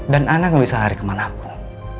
dan anda gak bisa lari kemanapun